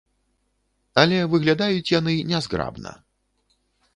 Але выглядаюць яны нязграбна.